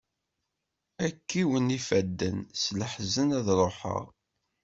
Ad kkiwen ifadden, s leḥzen ad ruḥeɣ.